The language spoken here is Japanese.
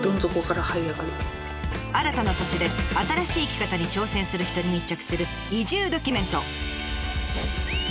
新たな土地で新しい生き方に挑戦する人に密着する移住ドキュメント。